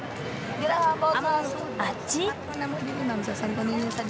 あっち？